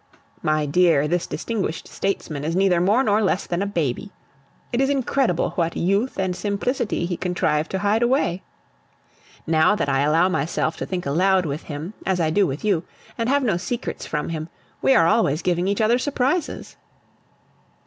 My dear, this distinguished statesman is neither more nor less than a baby. It is incredible what youth and simplicity he contrived to hide away. Now that I allow myself to think aloud with him, as I do with you, and have no secrets from him, we are always giving each other surprises.